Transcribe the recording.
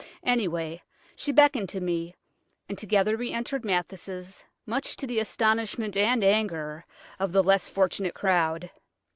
Anyway, she beckoned to me, and together we entered Mathis', much to the astonishment and anger of the less fortunate crowd.